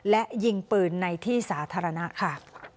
และยิงปืนในที่สาธารณะค่ะ